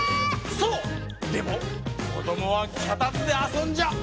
そうでもこどもはきゃたつであそんじゃ。